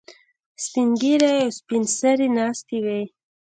سپین ږیري او سپین سرې ناستې وي.